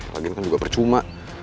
lagian kan juga percuma